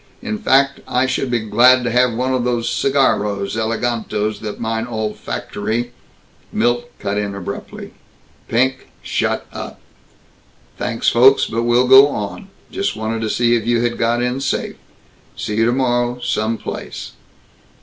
In fact I should be glad to have one of those cigarros elegantos that mine olfactory " Milt cut in abruptly, "Pink! Shut up! Thanks, folks, but we'll go on. Just wanted to see if you had got in safe. See you tomorrow, some place."